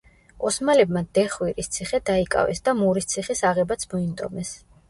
ოსმალებმა დეხვირის ციხე დაიკავეს და მურის ციხის აღებაც მოინდომეს.